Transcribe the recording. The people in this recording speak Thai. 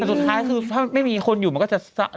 แต่สุดท้ายคือถ้าไม่มีคนอยู่มันก็จะ